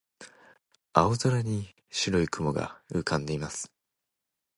青空に白い雲が浮かんでいます。